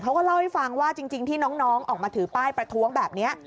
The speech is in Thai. เขาก็เล่าให้ฟังว่าจริงที่น้องออกมาถือป้ายประท้วงแบบนี้